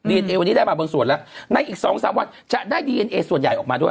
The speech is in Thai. เอวันนี้ได้มาบางส่วนแล้วในอีกสองสามวันจะได้ดีเอ็นเอส่วนใหญ่ออกมาด้วย